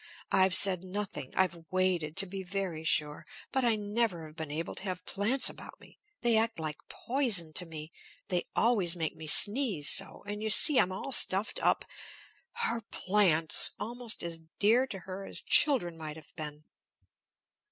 I've said nothing. I've waited, to be very sure. But I never have been able to have plants about me. They act like poison to me. They always make me sneeze so. And you see I'm all stuffed up " Her plants! Almost as dear to her as children might have been!